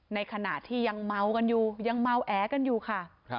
ในขณะที่ยังเมากันอยู่ยังเมาแอกันอยู่ค่ะ